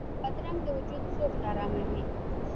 بادرنګ د وجود سوخت اراموي.